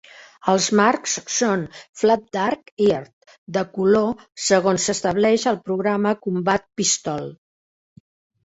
Els marcs són "Flat Dark Earth" de color segons s"estableix al programa Combat Pistol.